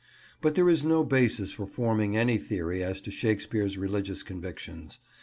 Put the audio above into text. But there is no basis for forming any theory as to Shakespeare's religious convictions.